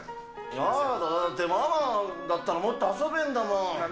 やだ、ママだったら、もっと遊べんだもん！